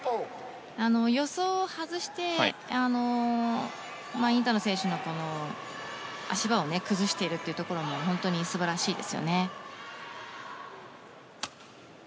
予想を外してインタノン選手の足場を崩しているというところも本当に素晴らしいですよね。